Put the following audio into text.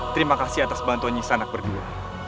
terima kasih atas bantuan nyisa anak berdua